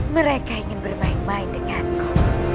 mereka ingin bermain main denganku